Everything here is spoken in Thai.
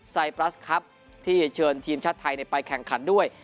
ไซปรัสครับที่เชิญทีมชาติไทยไปแข่งขันด้วย